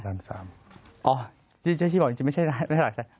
ล้านสามอ๋อจริงบอกจริงไม่ใช่หลักแสนล้านสาม